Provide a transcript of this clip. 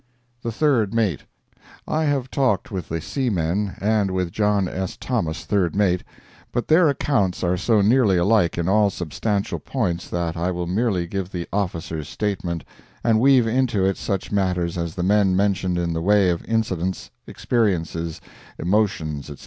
THE THIRD MATE I have talked with the seamen and with John S. Thomas, third mate, but their accounts are so nearly alike in all substantial points, that I will merely give the officer's statement and weave into it such matters as the men mentioned in the way of incidents, experiences, emotions, etc.